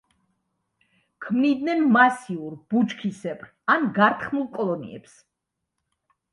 ქმნიდნენ მასიურ, ბუჩქისებრ ან გართხმულ კოლონიებს.